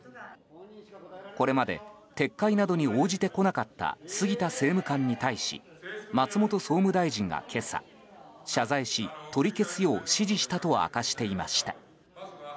これまで撤回などに応じてこなかった杉田政務官に対し松本総務大臣が今朝謝罪し、取り消すよう指示したと明かしていました。